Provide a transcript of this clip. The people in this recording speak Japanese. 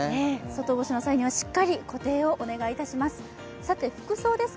外干しの際にはしっかり固定をお願いします。